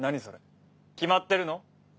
それ決まってるの？